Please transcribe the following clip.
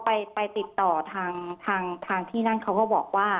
ไปไปติดต่อทางทางที่นั่นเขาก็บอกว่า